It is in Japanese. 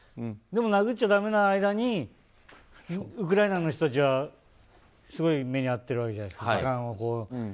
でも殴っちゃだめな間にウクライナの人たちはすごい目に遭ってるわけじゃないですか。